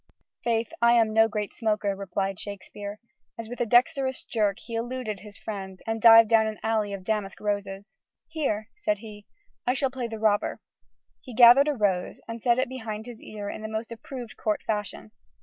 "Faith, I am no great smoker," replied Shakespeare, as with a dexterous jerk he eluded his friend and dived down an alley of damask roses. "Here," said he, "I shall play the robber, " He gathered a rose and set it behind his ear in the most approved Court fashion.